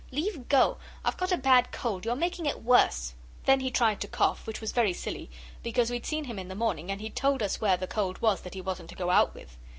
Leave go! I've got a bad cold. You're making it worse.' Then he tried to cough, which was very silly, because we'd seen him in the morning, and he'd told us where the cold was that he wasn't to go out with.